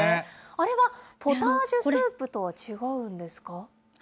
あれはポタージュスープとは違うんですか。